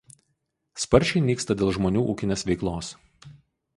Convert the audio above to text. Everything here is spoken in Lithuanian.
Sparčiai nyksta dėl žmonių ūkinės veiklos.